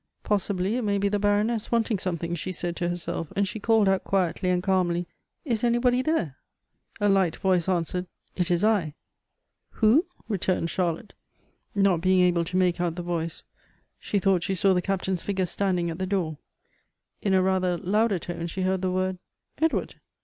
" Possibly it may be the Baroness wanting some thing," she said to herself; and she called out quietly and calmly, " Is anybody there?" A light voice answered, " It is I." " Who ?" returned Charlotte, not being able Elective Affijjities. 101 to make out the voice. She thought she saw the C.iji tain's figure standing at the door. In a rather lonilcr tone, she heard the word " Edward